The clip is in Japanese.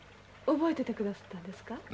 覚えててくだすったんですか？